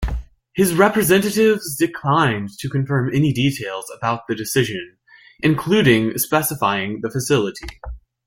His representatives declined to confirm any details about the decision, including specifying the facility.